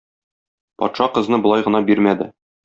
Патша кызны болай гына бирмәде.